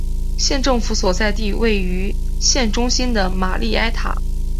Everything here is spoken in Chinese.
县政府所在地位于县中心的玛丽埃塔。